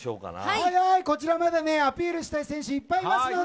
こちらまだアピールしたい選手がいっぱいいますので。